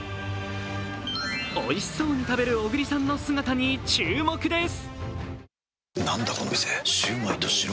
おいしそうに食べる小栗さんの姿に注目です。